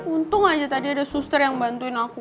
untung aja tadi ada suster yang bantuin aku